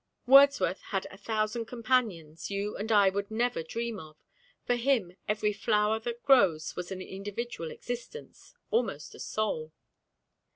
Wordsworth had a thousand companions you and I would never dream of; for him every flower that grows was an individual existence almost a soul.'